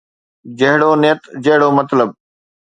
جهڙو نيت ، جهڙو مطلب